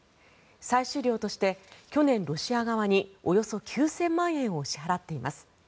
採取料として去年、ロシア側におよそ９０００万円を支払っています。